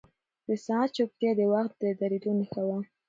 د ساعت چوپتیا د وخت د درېدو نښه وه.